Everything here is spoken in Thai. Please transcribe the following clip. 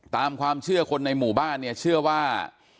ตามความเชื่อคนในหมู่บ้านเนี่ยเชื่อว่า